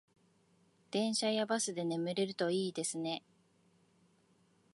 電車やバスで眠れるといいですね